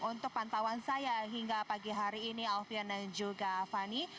untuk pantauan saya hingga pagi hari ini alfian dan juga fani